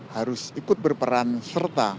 harus ikut berperan serta